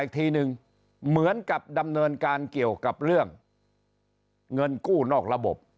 อีกทีนึงเหมือนกับดำเนินการเกี่ยวกับเรื่องเงินกู้นอกระบบ